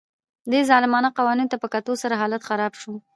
دې ظالمانه قوانینو ته په کتو سره حالت خراب شو